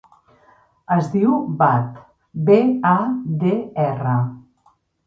Es diu Badr: be, a, de, erra.